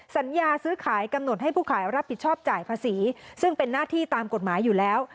สัญญาซื้อขายกำหนดให้ผู้ขายรับผิดชอบจ่ายภาษีซึ่งเป็นหน้าที่ตามกฎหมายอยู่แล้ว